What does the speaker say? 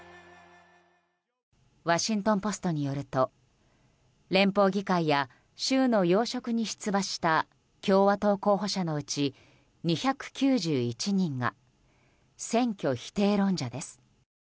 ワシントン・ポストによると連邦議会や州の要職に出馬した共和党候補者のうち２９１人が選挙否定論者です。